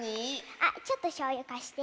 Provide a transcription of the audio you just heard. あっちょっとしょうゆかして。